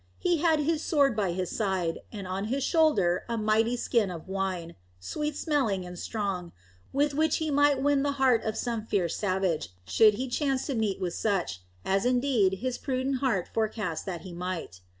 He had his sword by his side, and on his shoulder a mighty skin of wine, sweet smelling and strong, with which he might win the heart of some fierce savage, should he chance to meet with such, as indeed his prudent heart forecasted that he might.